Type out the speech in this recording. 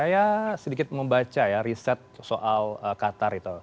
saya sedikit mau baca riset soal qatar